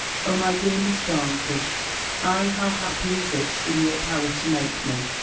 O my dear Miss Damford I how happy is it in your power to make me!